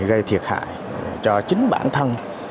gây thiệt hại cho chính bản thân